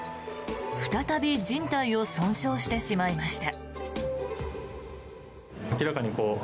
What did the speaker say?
再びじん帯を損傷してしまいました。